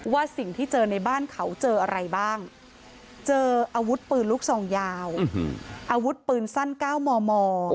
ว่าสิ่งที่เจอในบ้านเขาเจออะไรบ้างเจออาวุธปืนลูกซองยาวอาวุธปืนสั้น๙มม